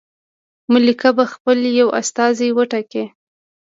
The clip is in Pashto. ملکه به خپل یو استازی وټاکي.